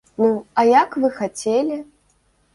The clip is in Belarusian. Ну, а як вы хацелі?